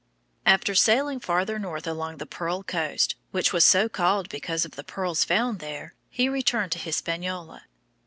] After sailing farther north along the Pearl Coast, which was so called because of the pearls found there, he returned to Hispaniola.